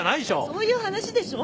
そういう話でしょ。